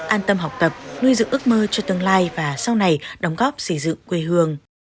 an tâm học tập nuôi dựng ước mơ cho tương lai và sau này đóng góp xây dựng quê hương